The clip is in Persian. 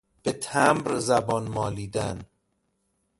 به تمبر زبان مالیدن